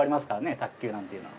卓球なんていうのは。